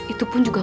itu pun juga